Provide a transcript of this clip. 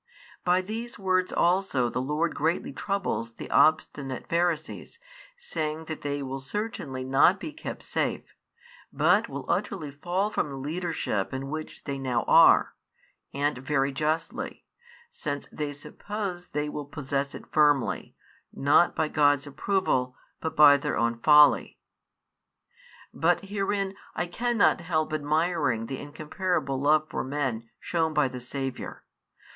By these words also the Lord greatly troubles the obstinate Pharisees, saying that they will certainly not be kept safe, but will utterly fall from the leadership in which they now are; and very justly, since they suppose they will possess it firmly, not |71 by God's approval, but by their own folly. Bat herein I cannot help admiring the incomparable love for men shown by the Saviour.